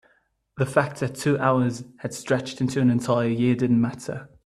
the fact that the two hours had stretched into an entire year didn't matter.